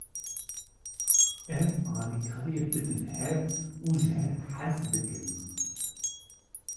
Em alîkariyê bidin hev û ji hev hez bikin.